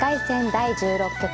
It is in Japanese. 第１６局。